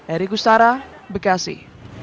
eri kustara bekasi